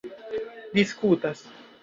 diskutas